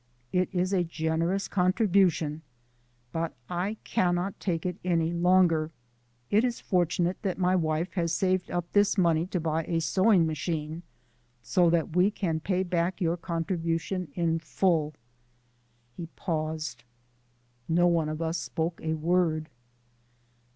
It is a generous contribution, but I cannot take it any longer. It is fortunate that my wife has saved up this money to buy a sewing machine, so that we can pay back your contribution in full." He paused; no one of us spoke a word.